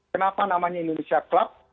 kenapa namanya indonesia club